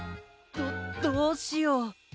どどうしよう。